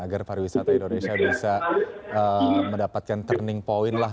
agar pariwisata indonesia bisa mendapatkan turning point lah